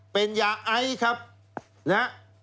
เป็นยาไอครับนะฮะ